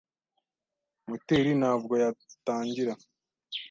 Moteri ntabwo yatangira